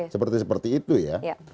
seperti seperti itu ya